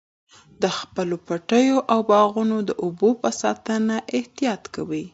د خپلو پټیو او باغونو د اوبو په ساتنه کې احتیاط کوئ.